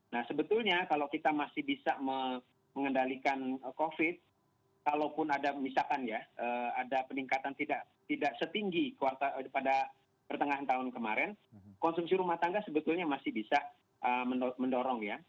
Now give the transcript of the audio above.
nah sebetulnya kalau kita masih bisa mengendalikan covid kalaupun ada misalkan ya ada peningkatan tidak setinggi pada pertengahan tahun kemarin konsumsi rumah tangga sebetulnya masih bisa mendorong ya